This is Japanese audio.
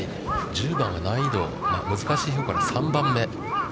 １０番は難易度難しいほうから３番目。